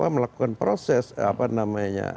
melakukan proses apa namanya